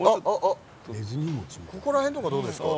ここら辺とか、どうですか？